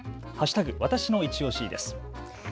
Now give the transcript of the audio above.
わたしのいちオシです。